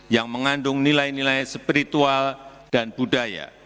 yang mengandung nilai nilai spiritual dan budaya